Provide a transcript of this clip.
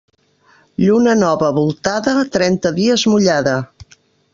Lluna nova voltada, trenta dies mullada.